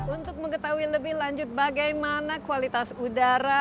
untuk mengetahui lebih lanjut bagaimana kualitas udara